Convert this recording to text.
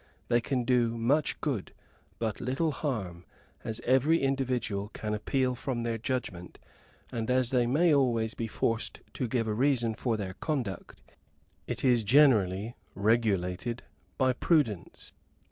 They can do much good, but little harm, as every individual can appeal from their judgment; and as they may always be forced to give a reason for their conduct, it is generally regulated by prudence.